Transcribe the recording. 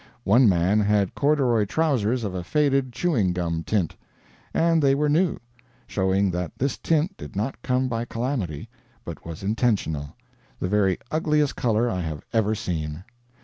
One man had corduroy trousers of a faded chewing gum tint. And they were new showing that this tint did not come by calamity, but was intentional; the very ugliest color I have ever seen.